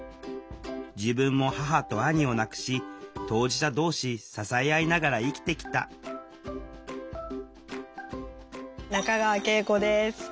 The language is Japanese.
自分も母と兄を亡くし当事者同士支え合いながら生きてきた中川圭永子です。